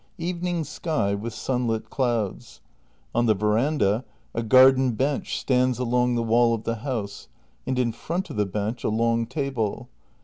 Evening sky with sun lit clouds. On the veranda, a garden bench stands along the wall of the house, and in front of the bench a long table.